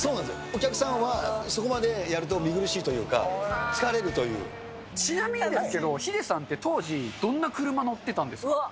お客さんは、そこまでやると見苦しいというか、ちなみにですけど、ヒデさんって当時、どんな車乗ってたんですか。